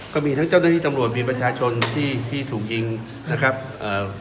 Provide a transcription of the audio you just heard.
ก็มีทั้งเจ้าหน้าที่ตำรวจมีประชาชนที่ที่ถูกยิงนะครับเอ่อ